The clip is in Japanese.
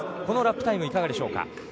このラップタイム、いかがでしょうか。